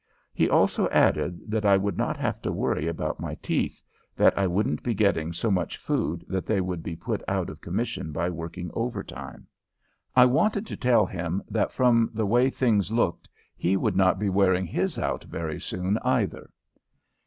He also added that I would not have to worry about my teeth; that I wouldn't be getting so much food that they would be put out of commission by working overtime. I wanted to tell him that from the way things looked he would not be wearing his out very soon, either.